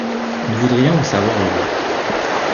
Nous voudrions vous savoir heureux.